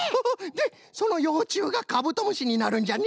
でそのようちゅうがカブトムシになるんじゃね？